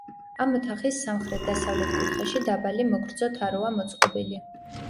ამ ოთახის სამხრეთ-დასავლეთ კუთხეში დაბალი, მოგრძო თაროა მოწყობილი.